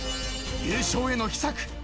［優勝への秘策］